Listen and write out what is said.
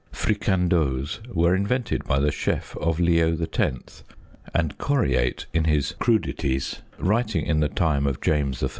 Fricandeaus were invented by the chef of Leo X. And Coryate in his Crudities, writing in the time of James I.